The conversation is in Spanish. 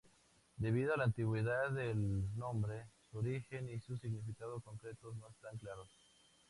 Debido a la antigüedad del nombre, su origen y significado concretos no están claros.